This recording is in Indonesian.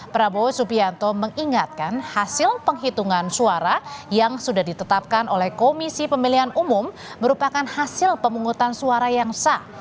prabowo subianto mengingatkan hasil penghitungan suara yang sudah ditetapkan oleh komisi pemilihan umum merupakan hasil pemungutan suara yang sah